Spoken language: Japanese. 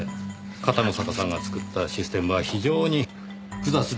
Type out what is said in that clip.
片野坂さんが作ったシステムは非常に複雑で巧妙です。